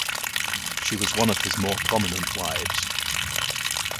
She was one of his more prominent wives.